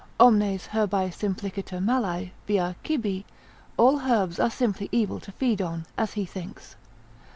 Omnes herbae simpliciter malae, via cibi; all herbs are simply evil to feed on (as he thinks).